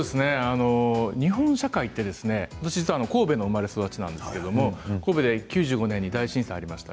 日本社会は私は神戸の生まれ育ちなんですが９５年に大震災がありました。